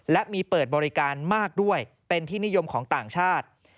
และมีเปิดบริการมากด้วยเป็นที่นิยมของต่างชาติ